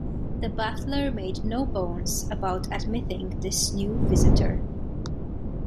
The butler made no bones about admitting this new visitor.